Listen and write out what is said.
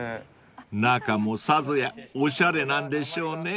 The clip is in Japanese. ［中もさぞやおしゃれなんでしょうね］